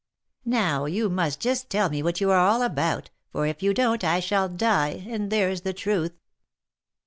" Now you must just tell me what you are all about, for if you don't I shall die, and there's the truth."